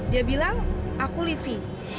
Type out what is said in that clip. dia bilang aku livi